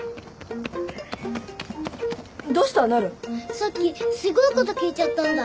さっきすごいこと聞いちゃったんだ。